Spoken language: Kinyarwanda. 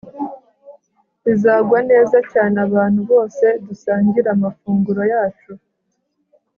bizagwa neza cyane abantu bose dusangira amafunguro yacu